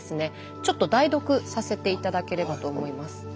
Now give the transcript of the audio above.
ちょっと代読させて頂ければと思います。